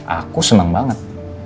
aku seneng banget